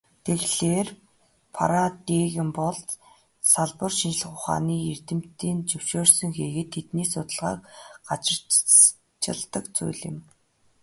Тэгэхлээр, парадигм бол салбар шинжлэх ухааны эрдэмтдийн зөвшөөрсөн хийгээд тэдний судалгааг газарчилдаг зүйл юм.